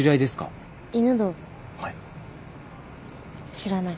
知らない。